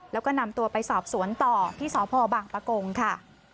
แล้วก็นำตัวไปสอบสวนต่อที่สพบางปะกงค่ะ